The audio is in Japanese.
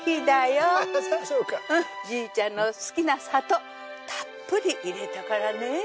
じいちゃんの好きな砂糖たっぷり入れたからね。